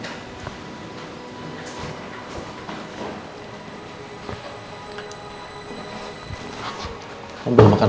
masalah yang penting adalah